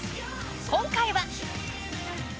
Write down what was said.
今回は。